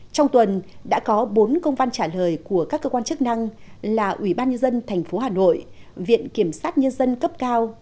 trong tuần đã có bốn công văn trả lời của các cơ quan chức năng là ubnd tp hà nội viện kiểm sát nhân dân cấp cao